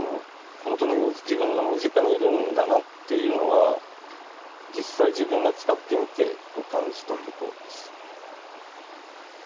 本当に自分の身近にいるんだなっていうのは実際自分が使ってみて感じたところです。